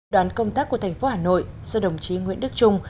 đoàn công tác của thành phố hà nội do đồng chí nguyễn đức trung